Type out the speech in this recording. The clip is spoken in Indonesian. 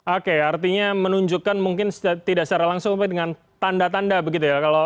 oke artinya menunjukkan mungkin tidak secara langsung pak dengan tanda tanda begitu ya